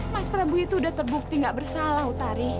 mas prabu itu udah terbukti nggak bersalah utari